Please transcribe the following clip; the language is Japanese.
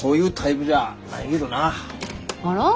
あら？